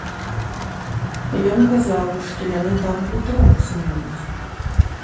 Ён казаў, што яны там утрох зімуюць.